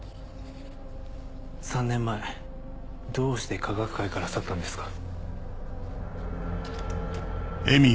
３年前どうして科学界から去ったんですか？